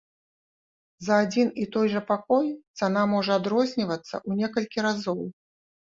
За адзін і той жа пакой цана можа адрознівацца ў некалькі разоў.